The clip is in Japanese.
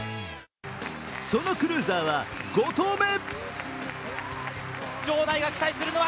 そのクルーザーは５投目。